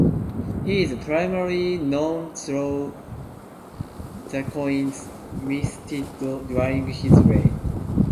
He is primarily known through the coins minted during his reign.